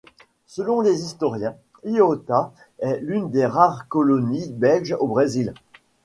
Selon les historiens, Ilhota est l'une des rares colonies belges au Brésil.